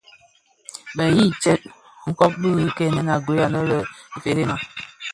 Be yii tsè kōm bi nkènèn a gued anë yō Ifëërèna.